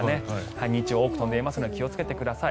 日中、多く飛んでいますのでお気をつけください。